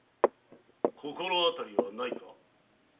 心当たりはないか？